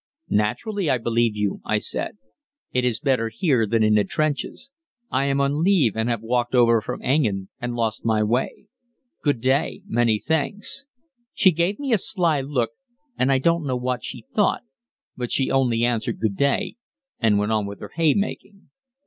"Naturally, I believe you," I said; "it is better here than in the trenches. I am on leave and have walked over from Engen and lost my way. Good day. Many thanks." She gave me a sly look, and I don't know what she thought, but she only answered "Good day," and went on with her haymaking.